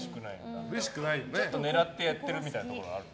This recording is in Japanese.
ちょっと狙ってやってみるみたいなところあるの？